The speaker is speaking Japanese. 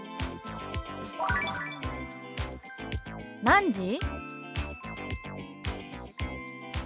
「何時？」。